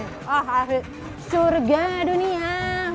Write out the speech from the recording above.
ah akhir surga dunia